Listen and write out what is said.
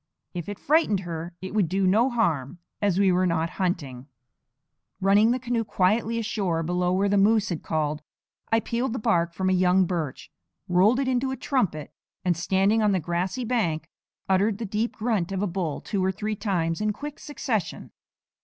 If it frightened her it would do no harm, as we were not hunting. Running the canoe quietly ashore below where the moose had called, I peeled the bark from a young birch, rolled it into a trumpet, and, standing on the grassy bank, uttered the deep grunt of a bull two or three times in quick succession.